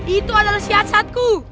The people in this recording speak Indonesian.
itu adalah si asatku